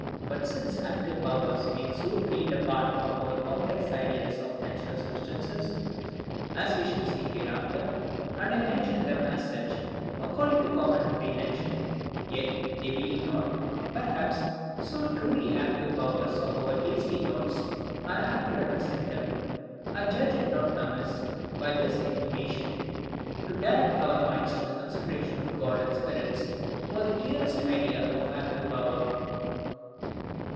But since active powers make so great a part of our complex ideas of natural substances, (as we shall see hereafter,) and I mention them as such, according to common apprehension; yet they being not, perhaps, so truly ACTIVE powers as our hasty thoughts are apt to represent them, I judge it not amiss, by this intimation, to direct our minds to the consideration of God and spirits, for the clearest idea of ACTIVE power.